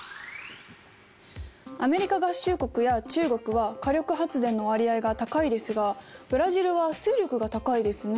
アメリカ合衆国や中国は火力発電の割合が高いですがブラジルは水力が高いですね。